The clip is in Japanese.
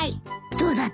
どうだった？